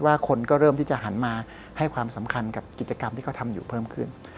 คนก็เริ่มที่จะหันมาให้ความสำคัญกับกิจกรรมที่เขาทำอยู่เพิ่มขึ้น